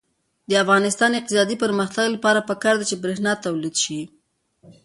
د افغانستان د اقتصادي پرمختګ لپاره پکار ده چې برښنا تولید شي.